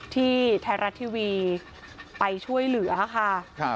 ที่ไทยรัฐทีวีไปช่วยเหลือค่ะ